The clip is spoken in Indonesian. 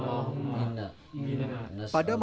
saya juga tidak pernah berhasil